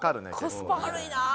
コスパ悪いな。